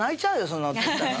そんな事言ったら。